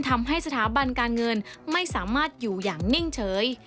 ทำให้สถาบันการเงินไม่สามารถอยู่อย่างนิ่งเฉย